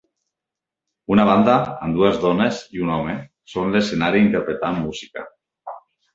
Una banda amb dues dones i un home són a l'escenari interpretant música.